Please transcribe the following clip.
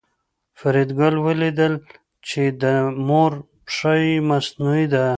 فریدګل ولیدل چې د مور پښه یې مصنوعي ده